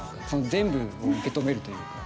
全部を受け止めるというか。